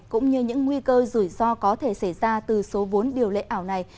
cũng như những nguy cơ rủi ro có thể xảy ra từ số vốn điều lệ ảo này